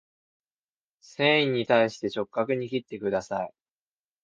繊維に対して直角に切ってください